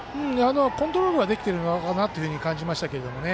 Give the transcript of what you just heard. コントロールはできているのかなというふうに感じましたけどね。